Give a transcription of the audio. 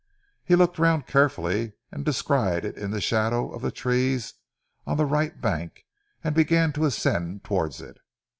He looked round carefully and descried it in the shadow of the trees on the right bank, and began to ascend towards it.